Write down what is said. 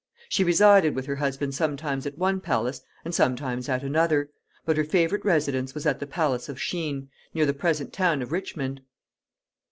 She resided with her husband sometimes at one palace and sometimes at another, but her favorite residence was at the palace of Shene, near the present town of Richmond.